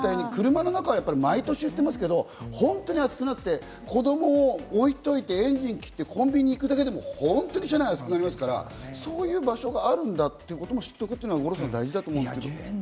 車の中は毎年言ってますけど、本当に暑くなって子供を置いといて、エンジン切ってコンビニに行くだけでも本当に車内が暑くなりますから、そういう場所があることも知っておくことが大事ですね、五郎さん。